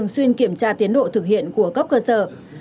xuyên kiểm tra tiến độ thực hiện của cấp cơ sở